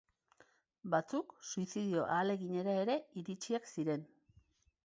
Batzuk suizidio ahaleginera ere iritsiak ziren.